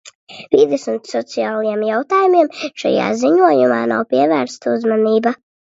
Vides un sociālajiem jautājumiem šajā ziņojumā nav pievērsta uzmanība.